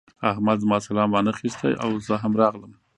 احمد زما سلام وانخيست او زه هم راغلم.